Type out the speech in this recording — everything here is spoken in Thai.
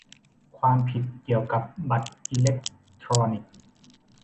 ความผิดเกี่ยวกับบัตรอิเล็กทรอนิกส์